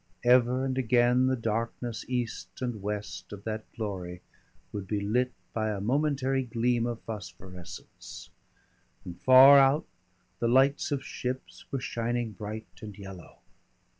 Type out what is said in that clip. Ever and again the darkness east and west of that glory would be lit by a momentary gleam of phosphorescence; and far out the lights of ships were shining bright and yellow.